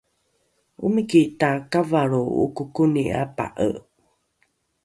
omiki takavalro okokoni apa’e